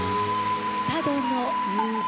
『佐渡の夕笛』。